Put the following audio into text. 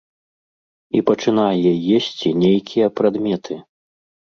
І пачынае есці нейкія прадметы.